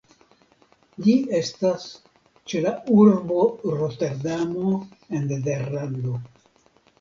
Ĝi estas ĉe la urbo Roterdamo en Nederlando.